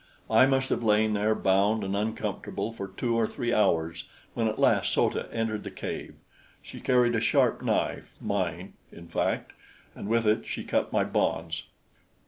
I must have lain there bound and uncomfortable for two or three hours when at last So ta entered the cave. She carried a sharp knife mine, in fact, and with it she cut my bonds.